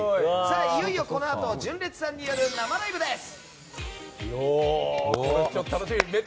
いよいよこのあと純烈さんによる生ライブです。